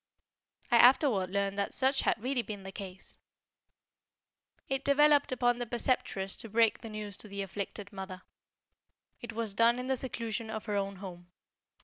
I afterward learned that such had really been the case. It developed upon the Preceptress to break the news to the afflicted mother. It was done in the seclusion of her own home.